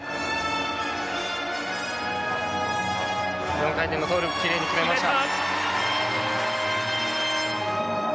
４回転のトーループきれいに決めました。